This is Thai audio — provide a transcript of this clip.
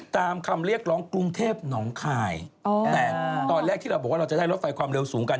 ตามคำเรียกร้องกรุงเทพหนองคายแต่ตอนแรกที่เราบอกว่าเราจะได้รถไฟความเร็วสูงกัน